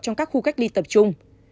trong các khu cách ly tập trung